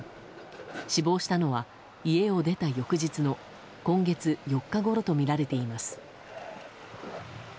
死亡したのは、家を出た翌日の今月４日ごろとみられています。